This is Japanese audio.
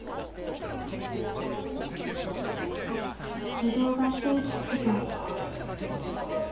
指導が一息つくと。